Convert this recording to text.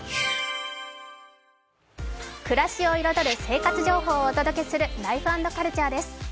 暮らしを彩る生活情報をお届けする「ライフ＆カルチャー」です。